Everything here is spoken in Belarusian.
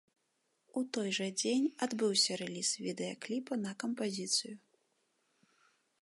У той жа дзень адбыўся рэліз відэакліпа на кампазіцыю.